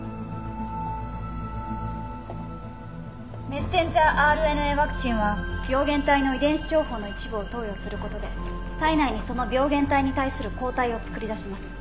メッセンジャーＲＮＡワクチンは病原体の遺伝子情報の一部を投与する事で体内にその病原体に対する抗体を作り出します。